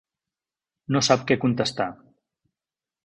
No sap què contestar.